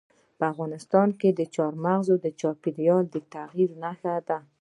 افغانستان کې چار مغز د چاپېریال د تغیر نښه ده.